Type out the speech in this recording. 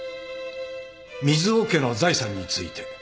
水尾家の財産について」